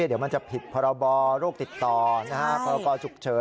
เดี๋ยวมันจะผิดพรบโรคติดต่อพรกรฉุกเฉิน